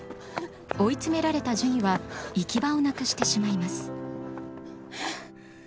追い詰められたジュニは行き場をなくしてしまいます。